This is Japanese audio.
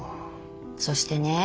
そしてね